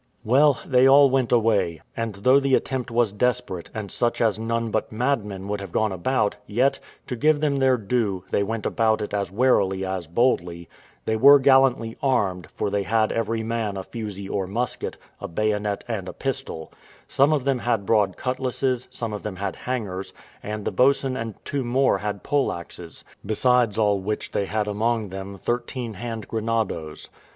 Well, they all went away, and though the attempt was desperate, and such as none but madmen would have gone about, yet, to give them their due, they went about it as warily as boldly; they were gallantly armed, for they had every man a fusee or musket, a bayonet, and a pistol; some of them had broad cutlasses, some of them had hangers, and the boatswain and two more had poleaxes; besides all which they had among them thirteen hand grenadoes.